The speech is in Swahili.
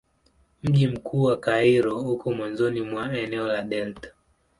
Mji mkuu wa Kairo uko mwanzoni mwa eneo la delta.